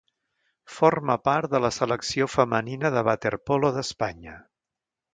Forma part de la selecció femenina de waterpolo d'Espanya.